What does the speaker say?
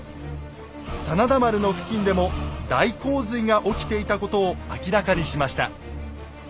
真田丸の付近でも大洪水が起きていたことを明らかにしました。